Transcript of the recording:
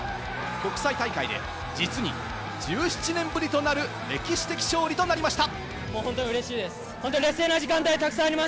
国際大会で実に１７年ぶりとなる歴史的勝利となりました。